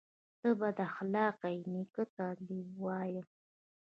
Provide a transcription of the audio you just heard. _ته بد اخلاقه يې، نيکه ته دې وايم.